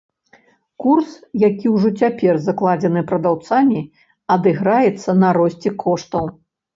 Курс, які ўжо цяпер закладзены прадаўцамі, адыграецца на росце коштаў.